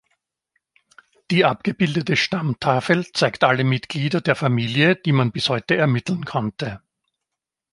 Die abgebildete Stammtafel zeigt alle Mitglieder der Familie, die man bis heute ermitteln konnte.